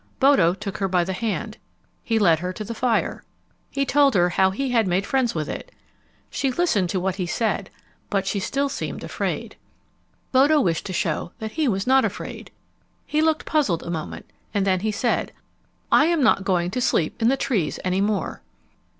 Bodo took her by the hand. He led her to the fire. He told her how he had made friends with it. She listened to what he said, but she still seemed afraid. Bodo wished to show that he was not afraid. He looked puzzled a moment and then he said, "I am not going to sleep in the trees any more."